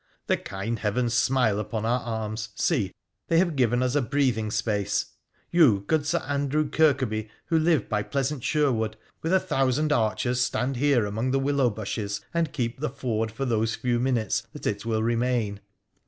' The kind Heavens smile upon our arms — see ! they have given us a breathing space ! You, good Sir Andrew Kirkaby, who live by pleasant Sher wood, with a thousand archers stand here among the willow 200 WONDERFUL ADVENTURES OF bushes and keep the ford for those few minutes that it will remain.